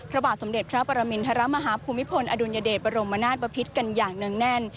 พระบาทสมเด็จพระปรมินทรมาฮภูมิพลอดุลยเดชบรมนาศบพิษกันอย่างเนื่องแน่น